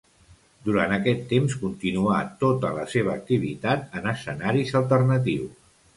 Durant aquest temps continuà tota la seva activitat en escenaris alternatius.